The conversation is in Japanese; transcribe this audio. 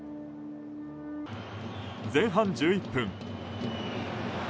前半１１分。